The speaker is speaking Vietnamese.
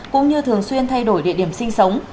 cũng như thường xuyên thay đổi địa điểm sinh sống